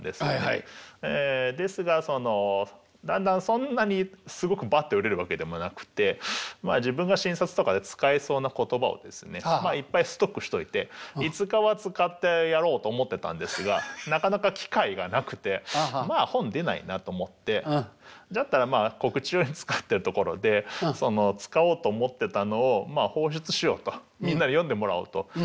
ですがだんだんそんなにすごくバッて売れるわけでもなくてまあ自分が診察とかで使えそうな言葉をいっぱいストックしといていつかは使ってやろうと思ってたんですがなかなか機会がなくてまあ本出ないなと思ってだったら告知用に使ってるところで使おうと思ってたのを放出しようとみんなに読んでもらおうと。